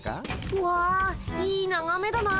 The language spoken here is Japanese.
わあいいながめだなあ。